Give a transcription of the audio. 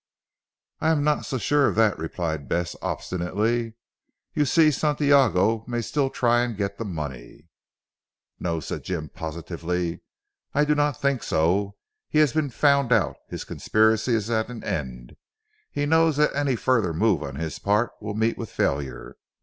"I am not so sure of that," replied Bess obstinately, "you see Santiago may still try and get the money." "No," said Jim positively, "I do not think so. He has been found out. His conspiracy is at an end. He knows that any further move on his part will meet with failure.